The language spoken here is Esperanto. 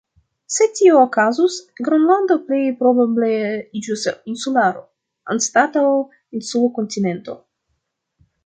Se tio okazus Gronlando plej probable iĝus insularo, anstataŭ insul-kontinento.